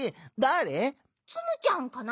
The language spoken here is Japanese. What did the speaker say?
ツムちゃんかな。